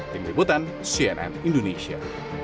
tim ributan cnn indonesia